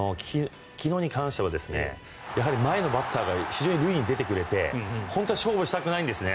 昨日に関しては前のバッターが非常に塁に出てくれて本当は勝負したくないんですね。